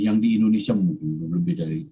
yang di indonesia mungkin lebih dari